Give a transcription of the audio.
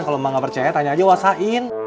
kalo mak gak percaya tanya aja wasain